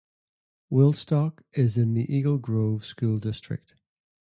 Woolstock is in the Eagle Grove School District.